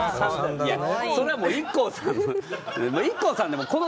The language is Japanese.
それはもうＩＫＫＯさんの。